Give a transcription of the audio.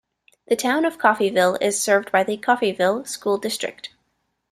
The Town of Coffeeville is served by the Coffeeville School District.